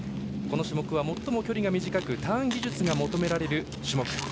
この種目は最も距離が短くターン技術が求められる種目。